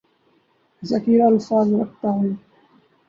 ذخیرہ الفاظ رکھتا ہوں